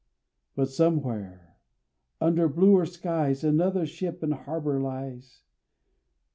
But somewhere, under bluer skies, Another ship in harbor lies.